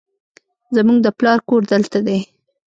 زموږ د پلار کور دلته دی